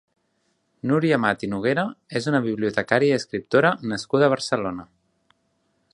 Núria Amat i Noguera és una bibliotecària i escriptora nascuda a Barcelona.